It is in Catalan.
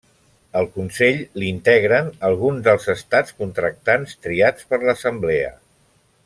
El Consell l'integren alguns dels estats contractants triats per l'Assemblea.